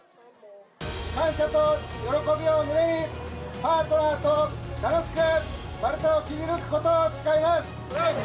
感謝と喜びを胸に、パートナーと楽しく丸太を切り抜くことを誓います。